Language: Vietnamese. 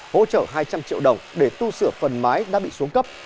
hỗ trợ hai trăm linh triệu đồng để tu sửa phần mái đã bị xuống cấp